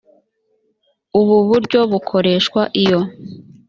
ubu buryo bukoreshwa iyo